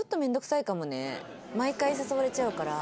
毎回誘われちゃうから。